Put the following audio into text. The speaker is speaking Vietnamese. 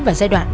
vào giai đoạn